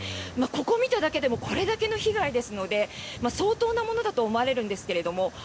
ここを見ただけでもこれだけの被害ですので相当なものだと思われるんですけれども。